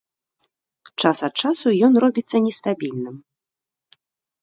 Час ад часу ён робіцца нестабільным.